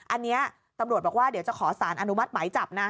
อันนี้ตำรวจบอกว่าเดี๋ยวจะขอสารอนุมัติหมายจับนะ